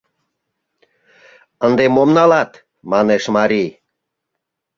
— Ынде мом налат? — манеш марий.